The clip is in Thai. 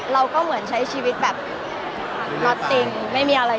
มันเป็นเรื่องน่ารักที่เวลาเจอกันเราต้องแซวอะไรอย่างเงี้ย